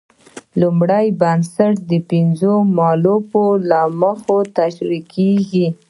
لومړی بنسټ د پنځو مولفو له مخې تشرېح کیږي.